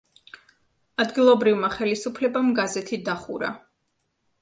ადგილობრივმა ხელისუფლებამ გაზეთი დახურა.